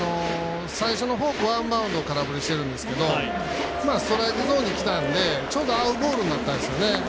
最初のフォーク、ワンバウンド空振りしてるんですけどストライクゾーンにきたんでちょうど合うボールになったんですよね。